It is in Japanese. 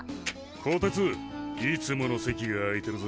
こてついつもの席が空いてるぜ。